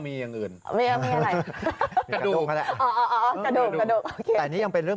ผมไม่มีกระด้งมีอันอื่น